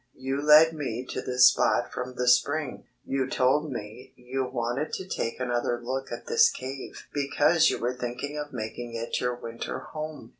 "You led me to this spot from the spring. You told me you wanted to take another look at this cave because you were thinking of making it your winter home."